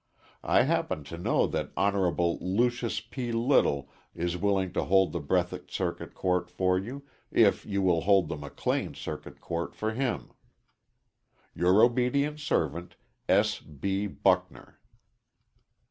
I happen to know that Honorable Lucius P. Little is willing to hold the Breathitt Circuit Court for you, if you will hold the McLean Circuit Court for him.... Your obedient servant, S. B. BUCKNER.